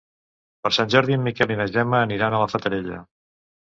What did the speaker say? Per Sant Jordi en Miquel i na Gemma aniran a la Fatarella.